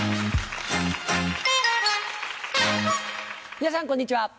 皆さんこんにちは。